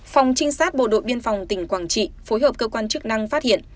phòng trinh sát bộ đội biên phòng tỉnh quảng trị phối hợp cơ quan chức năng phát hiện